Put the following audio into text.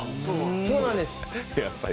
そうなんです。